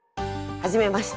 はじめまして。